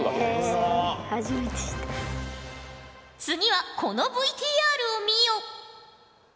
次はこのＶＴＲを見よ。